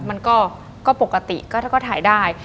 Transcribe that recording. มันก็ปกติก็ถ้าก็ถ่ายได้